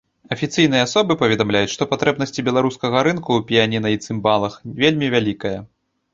Афіцыйныя асобы паведамляюць, што патрэбнасці беларускага рынку ў піяніна і цымбалах вельмі вялікія.